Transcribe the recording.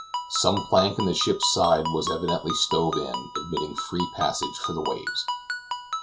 Some plank in the ship's side was evidently stove in, admitting free passage for the waves.